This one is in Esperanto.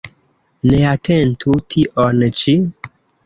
Neatentu tion ĉi.